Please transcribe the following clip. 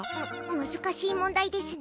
難しい問題ですね。